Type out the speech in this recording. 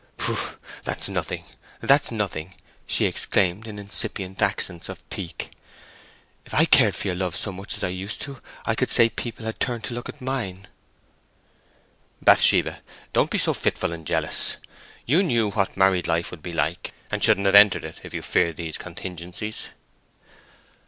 "Pooh! that's nothing—that's nothing!" she exclaimed, in incipient accents of pique. "If I cared for your love as much as I used to I could say people had turned to look at mine." "Bathsheba, don't be so fitful and jealous. You knew what married life would be like, and shouldn't have entered it if you feared these contingencies."